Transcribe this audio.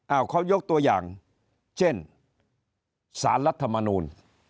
เอ้าเขายกตัวอย่างเช่นศาลรัฐมนุน